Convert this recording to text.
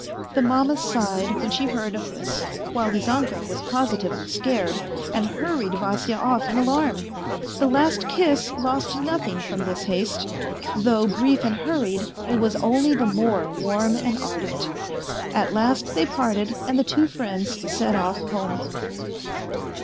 The mamma sighed when she heard of this, while Lizanka was positively scared, and hurried Vasya off in alarm. The last kiss lost nothing from this haste; though brief and hurried it was only the more warm and ardent. At last they parted and the two friends set off home.